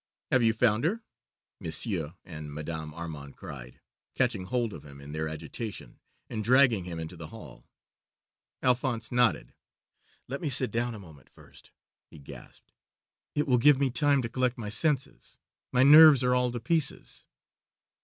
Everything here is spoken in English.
"Have you found her?" Monsieur and Madame Armande cried, catching hold of him in their agitation, and dragging him into the hall. Alphonse nodded. "Let me sit down a moment first," he gasped. "It will give me time to collect my senses. My nerves are all to pieces!"